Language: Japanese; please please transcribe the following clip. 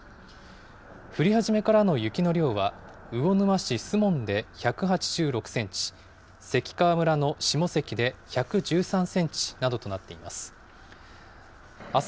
降り始めからの雪の量は魚沼市守門で１８６センチ、関川村の下関で１１３センチなどとなっています。